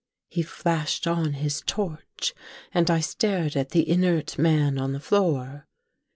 " He flashed on his torch and I stared at the Inert man on the floor.